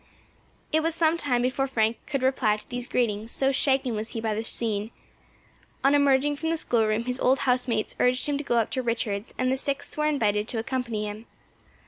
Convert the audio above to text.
It was some time before Frank could reply to these greetings, so shaken was he by the scene. On emerging from the schoolroom his old house mates urged him to go up to Richards', and the Sixth were invited to accompany him.